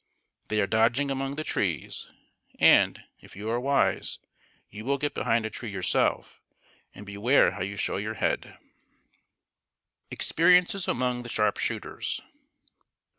They are dodging among the trees, and, if you are wise, you will get behind a tree yourself, and beware how you show your head. [Sidenote: EXPERIENCES AMONG THE SHARP SHOOTERS.